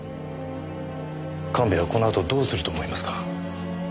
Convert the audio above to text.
神戸はこのあとどうすると思いますか？